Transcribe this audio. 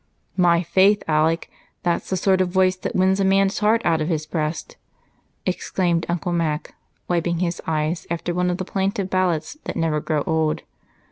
"My faith, Alec that's the sort of voice that wins a man's heart out of his breast!" exclaimed Uncle Mac, wiping his eyes after one of the plaintive ballads that never grow old.